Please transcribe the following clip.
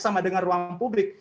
sama dengan ruang publik